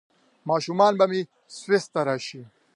ماشومان به مې سویس ته راشي؟